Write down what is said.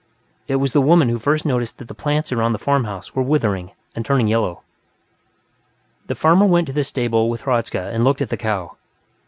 It was the woman who first noticed that the plants around the farmhouse were withering and turning yellow. The farmer went to the stable with Hradzka and looked at the cow.